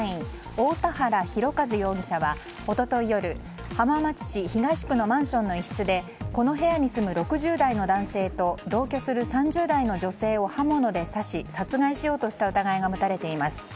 大田原広和容疑者は一昨日夜浜松市東区のマンションの一室でこの部屋に住む６０代の男性と同居する３０代の女性を刃物で刺し殺害しようとした疑いが持たれています。